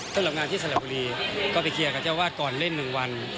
สำหรับงานที่สระบุรีก็ไปเคลียร์กับเจ้าวาดก่อนเล่น๑วัน